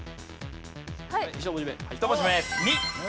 １文字目「み」。